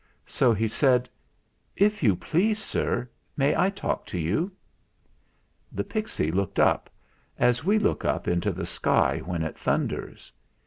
So he said, "If you please, sir, may I talk to you?" The pixy looked up, as we look up into the 94 THE FLINT HEART sky when it thunders.